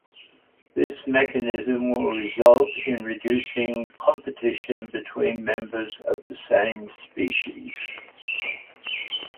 This mechanism will result in reduced competition between members of the same species.